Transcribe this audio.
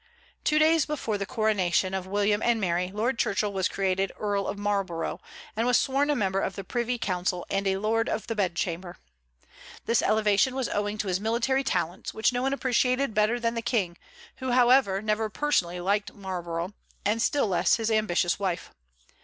Two days before the coronation of William and Mary, Lord Churchill was created Earl of Marlborough, and was sworn a member of the Privy Council and a lord of the bedchamber. This elevation was owing to his military talents, which no one appreciated better than the King, who however never personally liked Marlborough, and still less his ambitious wife.